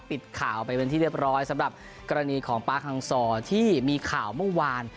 ปิดข่าวไปเป็นที่เรียบร้อยสำหรับกรณีของป๊าฮังซอร์ที่มีข่าวเมื่อวาน